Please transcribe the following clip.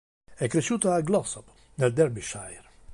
È cresciuta a Glossop, nel Derbyshire.